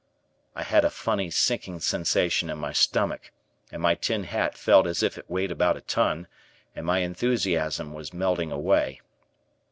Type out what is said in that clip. I had a funny sinking sensation in my stomach, and my tin hat felt as if it weighed about a ton and my enthusiasm was melting away.